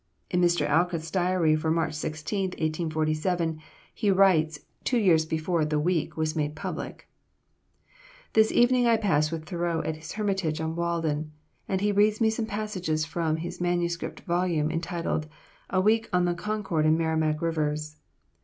In Mr. Alcott's diary for March 16, 1847, he writes, two years before the "Week" was made public: "This evening I pass with Thoreau at his hermitage on Walden, and he reads me some passages from his manuscript volume, entitled 'A Week on the Concord and Merrimac Rivers.'